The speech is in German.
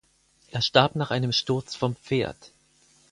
Er starb nach einem Sturz vom Pferd.